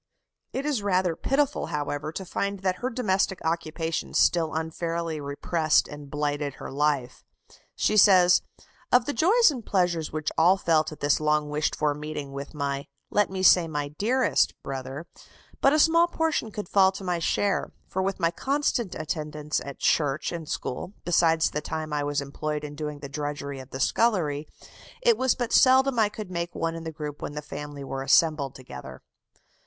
It is rather pitiful, however, to find that her domestic occupations still unfairly repressed and blighted her life. She says: "Of the joys and pleasures which all felt at this long wished for meeting with my let me say my dearest brother, but a small portion could fall to my share; for with my constant attendance at church and school, besides the time I was employed in doing the drudgery of the scullery, it was but seldom I could make one in the group when the family were assembled together."